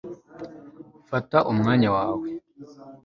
fata umwanya wawe